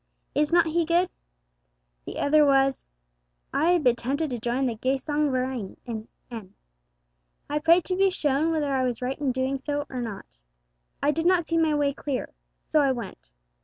Is not He good? The other was: I had been tempted to join the Gesang Verein in N . I prayed to be shown whether I was right in so doing or not. I did not see my way clear, so I went.